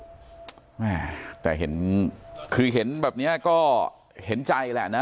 อุ๊ยแต่เห็นแบบนี้คือเห็นใจแล้วนะ